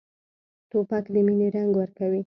توپک د مینې رنګ ورکوي.